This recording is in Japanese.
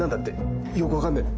よく分かんねえ。